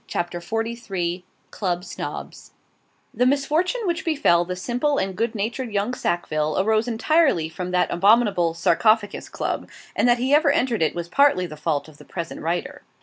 CHAPTER XLIII CLUB SNOBS The misfortune which befell the simple and good natured young Sackville, arose entirely from that abominable 'Sarcophagus Club;' and that he ever entered it was partly the fault of the present writer.